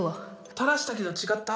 たらしたけど違った？